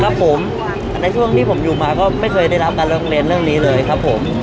ครับผมในช่วงที่ผมอยู่มาก็ไม่เคยได้รับการร้องเรียนเรื่องนี้เลยครับผม